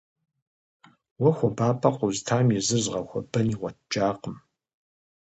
Уэ хуабапӀэ къозытам езыр зыгъэхуэбэн игъуэтыжакъым.